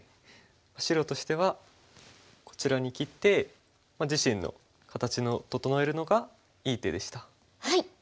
白としてはこちらに切って自身の形を整えるのがいい手でした。